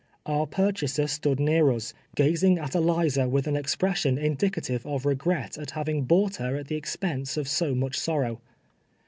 Our purchaser stood near us, gazing at Eliza with an expression indicative of re gret at having bought her at the expense of so much sorrow.